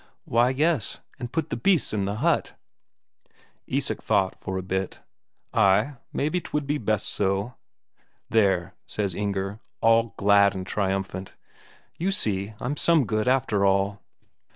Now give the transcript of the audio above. "Why yes. And put the beasts in the hut." Isak thought for a bit. "Ay, maybe 'twould be best so." "There," says Inger, all glad and triumphant. "You see I'm some good after all."